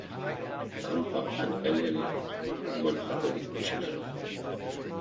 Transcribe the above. Camper, an early Roman Catholic missionary.